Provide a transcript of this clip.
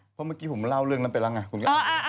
เพราะเมื่อกี้ผมเล่าเรื่องนั้นไปแล้วไงคุณก็